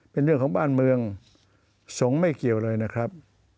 เป็นเรื่องของบ้านเมืองสงฆ์ไม่เกี่ยวเลยนะครับ